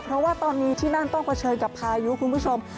เพราะว่าตอนนี้ที่นั่นต้องเผชิญกับพายุคุณผู้ชม